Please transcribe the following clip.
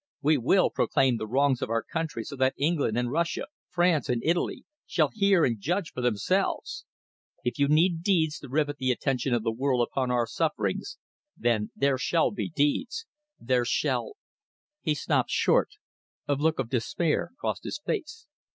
We will proclaim the wrongs of our country so that England and Russia, France and Italy, shall hear and judge for themselves. If you need deeds to rivet the attention of the world upon our sufferings, then there shall be deeds. There shall " He stopped short. A look of despair crossed his face.